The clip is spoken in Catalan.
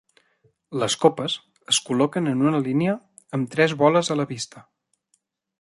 Les copes es col·loquen en una línia amb tres boles a la vista.